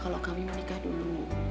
kalau kami menikah dulu